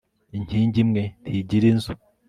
inkingi imwe ntigira inzu